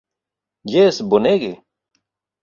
Jes bonege!